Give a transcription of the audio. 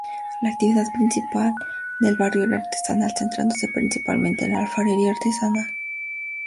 La actividad principal del barrio era artesanal, centrándose principalmente en la alfarería artesanal.